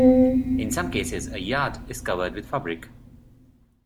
In some cases a "yad" is covered with fabric.